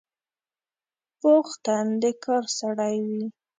پوخ تن د کار سړی وي